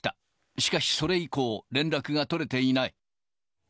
しかしそれ以降、連絡が取れていない。